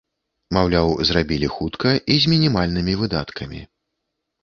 Маўляў, зрабілі хутка і з мінімальнымі выдаткамі.